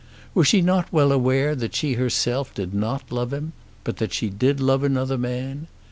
Was she not well aware that she herself did not love him; but that she did love another man?